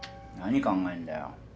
何考えんだよ。